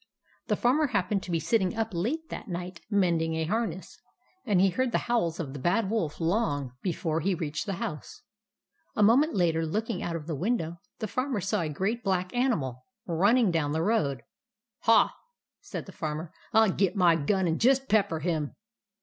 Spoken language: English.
The Farmer happened to be sitting up late that night mending a harness ; and he heard the howls of the Bad Wolf long TRICKS OF THE BAD WOLF 139 before he reached the house. A moment later, looking out of the window, the Farmer saw a great black animal running down the road. " Ha !" said the Farmer. " I '11 get my gun and just pepper him